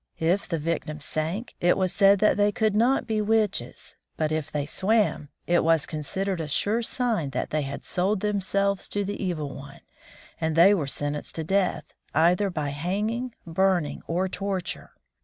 If the victims sank, it was said they could not be witches, but if they swam, it was considered a sure sign that they had sold themselves to the Evil One, and they were sentenced to death, either by hanging, burning, or torture.